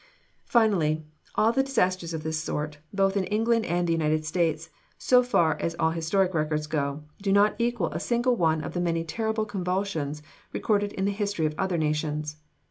Finally, all the disasters of this sort, in both England and the United States, so far as all historic records go, do not equal a single one of the many terrible convulsions recorded in the history of other nations.